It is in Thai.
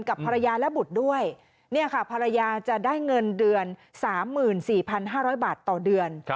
กับภรรยาและบุตรด้วยภรรยาจะได้เงินเดือน๓๔๕๐๐บาทต่อเดือน